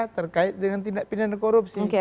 terkait dengan tindak pidana korupsi